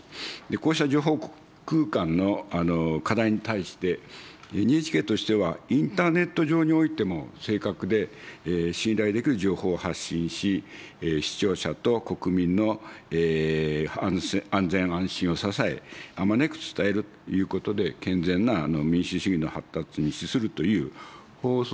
こうした情報空間の課題に対して、ＮＨＫとしては、インターネット上においても正確で信頼できる情報を発信し、視聴者と国民の安全・安心を支え、あまねく伝えるということで健全な民主主義の発達に資するという放送と同様の公共的な役割を果たしていくことが必要ではないかと考えてございます。